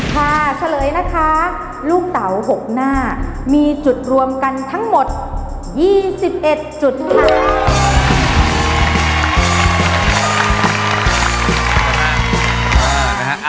ค่ะเฉลยนะคะลูกเตาหกหน้ามีจุดรวมกันทั้งหมดยี่สิบเอ็ดจุดค่ะ